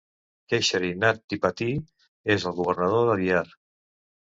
Keshari Nath Tripathi és el governador de Bihar.